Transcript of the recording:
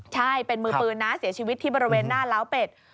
ใช่เป็นมือปืนนะเสียชีวิตที่บริเวณหน้าล้าวเป็ด